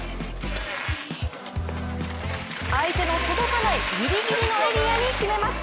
相手の届かないギリギリのエリアに決めます